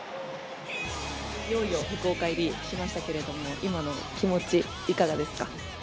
いよいよ福岡入りしましたけども今の気持ち、いかがですか。